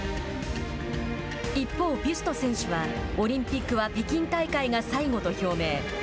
一方、ビュスト選手はオリンピックは北京大会が最後と表明。